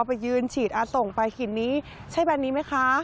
ไปยืนฉีดส่งไปหินนี้ใช่แบรนดนี้ไหมคะ